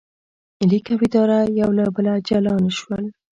لیک او اداره یو له بله جلا نه شول.